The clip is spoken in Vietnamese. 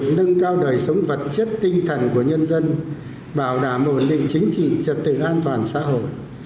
nâng cao đời sống vật chất tinh thần của nhân dân bảo đảm ổn định chính trị trật tự an toàn xã hội